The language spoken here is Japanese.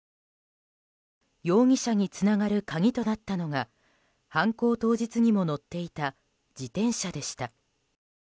容疑者につながる鍵となったのが犯行当日にも乗っていた自転車でした。